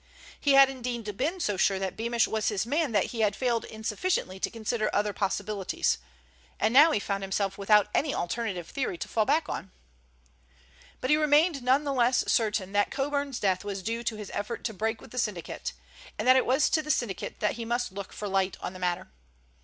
He had indeed been so sure that Beamish was his man that he had failed sufficiently to consider other possibilities, and now he found himself without any alternative theory to fall back on. But he remained none the less certain that Coburn's death was due to his effort to break with the syndicate, and that it was to the syndicate that he must look for light on the matter.